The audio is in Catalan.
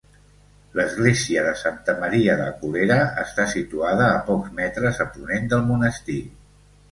L'església de Santa Maria de Colera està situada a pocs metres a ponent del monestir.